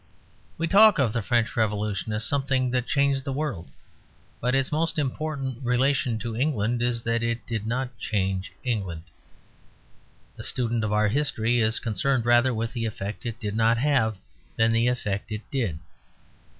We talk of the French Revolution as something that changed the world; but its most important relation to England is that it did not change England. A student of our history is concerned rather with the effect it did not have than the effect it did.